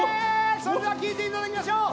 それでは聴いていただきましょう。